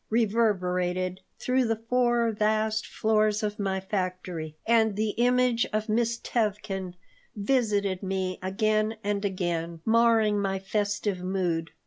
reverberated through the four vast floors of my factory, and the image of Miss Tevkin visited me again and again, marring my festive mood.